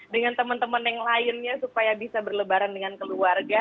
dengan teman teman yang lainnya supaya bisa berlebaran dengan keluarga